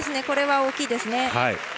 これは大きいですね。